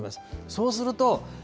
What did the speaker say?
そうすると。